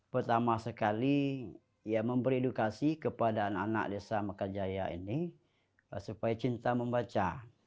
pertama sekali ya memberi edukasi kepada anak anak desa mekarjaya ini supaya cinta membaca